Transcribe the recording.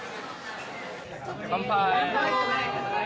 乾杯！